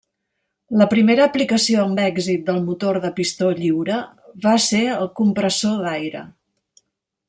La primera aplicació amb èxit del motor de pistó lliure va ser el compressor d'aire.